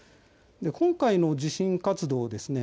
今回の地震活動ですね